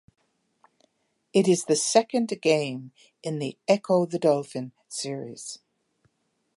It is the second game in the "Ecco the Dolphin" series.